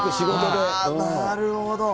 なるほど。